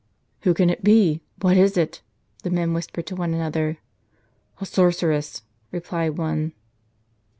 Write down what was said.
" Who can it be ? What is it ?" the men whispered to one another. " A sorceress," replied one.